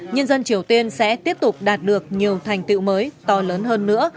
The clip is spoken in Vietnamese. nhân dân triều tiên sẽ tiếp tục đạt được nhiều thành tựu mới to lớn hơn nữa